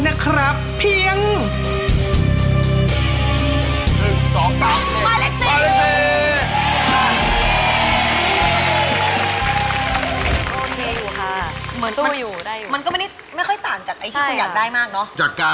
หมวกปีกดีกว่าหมวกปีกดีกว่า